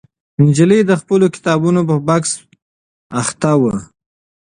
نجلۍ د خپلو کتابونو په بکس بوخته وه.